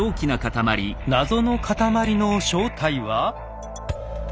謎の塊の正体は？